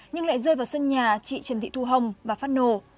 nhưng lại rơi vào sân nhà chị trần thị thu hồng và phát nổ